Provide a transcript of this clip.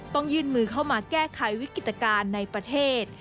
ต้องยื่นมือเข้ามาแก้ไขวิกฤตการณ์ในประเทศ